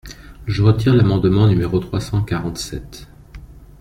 Je retire l’amendement numéro trois cent quarante-sept.